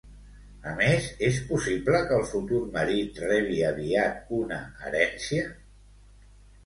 A més, és possible que el futur marit rebi aviat una herència?